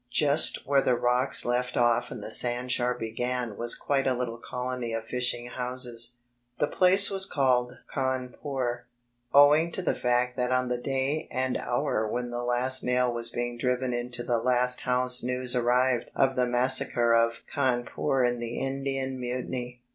Just where the rocks left off and the sandshore began was quite a litde colony of fishing houses. The place was called Cawn pore, owing to the fact that on the day and hour when the last nail was being driven into the last house news arrived of the massacre of Cawnpore in the Indian Mutiny.